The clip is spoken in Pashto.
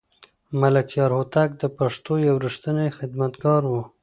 ملکیار هوتک د پښتو یو رښتینی خدمتګار و.